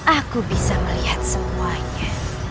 aku bisa melihat semuanya